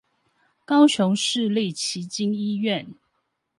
高雄市立旗津醫院